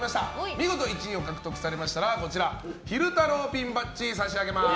見事１位を獲得されましたら昼太郎ピンバッジ差し上げます。